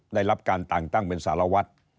ได้รับการแต่งตั้งเป็นสารวัตร